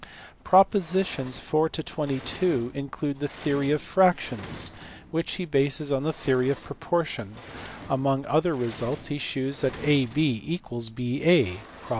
Propositions 4 to 22 include the theoiy of fractions, which he bases on the theory of pro portion; among other results he shews that ab = ba (prop.